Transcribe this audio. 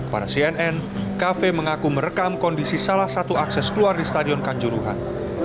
pada cnn kafe mengaku merekam kondisi salah satu akses keluar di stadion kanjuruhan